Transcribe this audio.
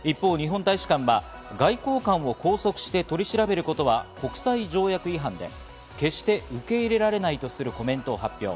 一方、日本大使館は外交官を拘束して取り調べることは国際条約違反で決して受け入れられないとするコメントを発表。